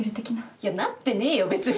いやなってねえよ別に。